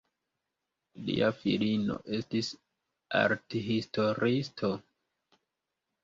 Lia filino estis arthistoriisto.